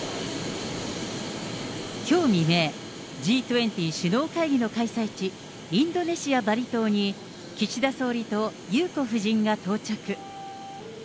きょう未明、Ｇ２０首脳会議の開催地、インドネシア・バリ島に岸田総理とゆうこ夫人が到着。